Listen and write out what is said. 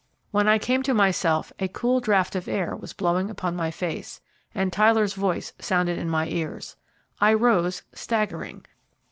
When I came to myself a cool draught of air was blowing upon my face, and Tyler's voice sounded in my ears. I rose, staggering.